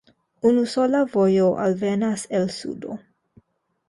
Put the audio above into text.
Unusola vojo alvenas el sudo.